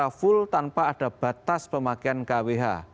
mungkin kita sudah full tanpa ada batas pemakaian kwh